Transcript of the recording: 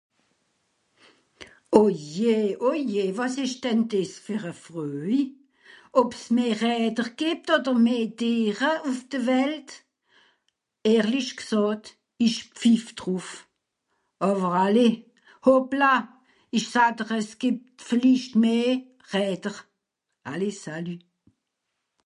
es gibt meh räder